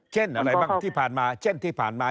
เช่นอะไรที่ผ่านมา